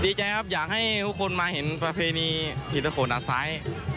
ดีใจครับอยากให้ทุกคนมาเห็นประเพณีพิธาโฆลอัดทราย